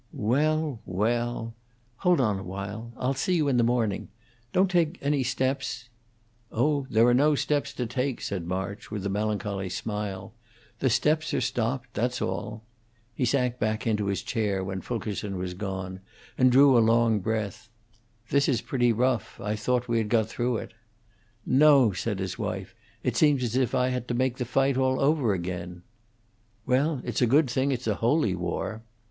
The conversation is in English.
"Well, well! Hold on awhile! I'll see you in the morning. Don't take any steps " "Oh, there are no steps to take," said March, with a melancholy smile. "The steps are stopped; that's all." He sank back into his chair when Fulkerson was gone and drew a long breath. "This is pretty rough. I thought we had got through it." "No," said his wife. "It seems as if I had to make the fight all over again." "Well, it's a good thing it's a holy war."